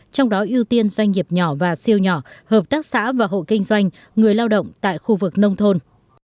trong đó ưu tiên doanh nghiệp nhỏ và siêu nhỏ hợp tác xã và hộ kinh doanh người lao động tại khu vực nông thôn